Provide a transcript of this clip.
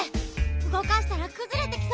うごかしたらくずれてきそうよ。